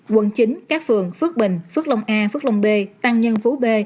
quận chín các phường phước bình phước long e phước long b tăng nhân phú b